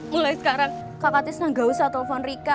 mulai sekarang kakak tisna gak usah telepon rika